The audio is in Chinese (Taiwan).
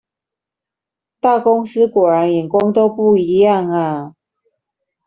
大公司果然眼光都不一樣啊！